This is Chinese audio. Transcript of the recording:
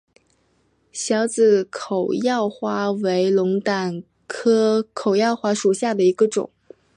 小籽口药花为龙胆科口药花属下的一个种。